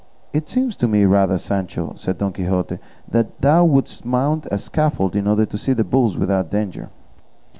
"It seems to me rather, Sancho," said Don Quixote, "that thou wouldst mount a scaffold in order to see the bulls without danger."